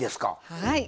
はい。